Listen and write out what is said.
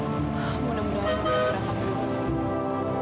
mudah mudahan kamu akan merasakannya